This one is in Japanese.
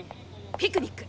ピクニック。